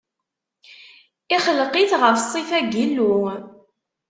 ixelq-it ɣef ṣṣifa n Yillu.